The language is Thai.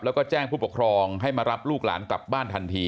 แล้วก็แจ้งผู้ปกครองให้มารับลูกหลานกลับบ้านทันที